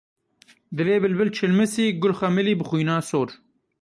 Dilê bilbil çilmisî, gul xemilî bi xwînа sor.